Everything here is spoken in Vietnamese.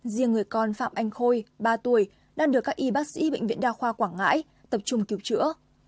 riêng người con phạm anh khôi ba tuổi đang được các y bác sĩ bệnh viện đa khoa quảng ngãi tập trung cứu chữa